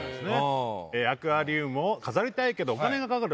アクアリウムを飾りたいけどお金がかかる。